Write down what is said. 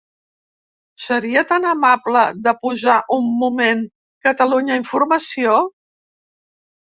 Seria tan amable de posar un moment Catalunya Informació?